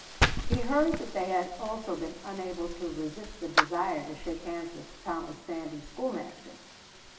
He heard that they had also been unable to resist the desire to shake hands with Thomas Sandys's schoolmaster.